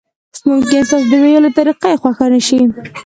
ممکن ستاسو د ویلو طریقه یې خوښه نشي.